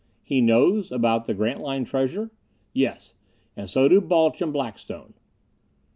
"He knows about about the Grantline treasure?" "Yes. And so do Balch and Blackstone."